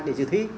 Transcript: để dự thi